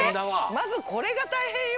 まずこれがたいへんよ。